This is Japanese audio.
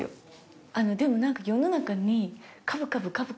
でも何か世の中に。